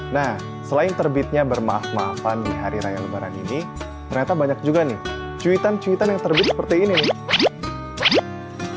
nah selain terbitnya bermaaf maafan di hari raya lebaran ini ternyata banyak juga nih cuitan cuitan yang terbit seperti ini nih